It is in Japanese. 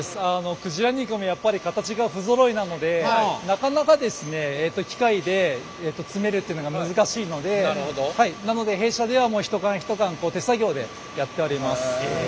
鯨肉もやっぱり形が不ぞろいなのでなかなか機械で詰めるっていうのが難しいのでなので弊社では一缶一缶手作業でやっております。